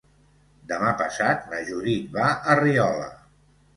Demà passat na Judit va a Riola.